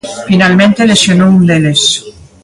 Finalmente lesionou un deles.